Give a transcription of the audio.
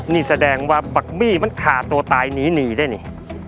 นี่แสดงว่าบัคเมี่ยมันข่าที่ตายหนีไม่ได้นี่